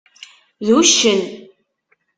D uccen.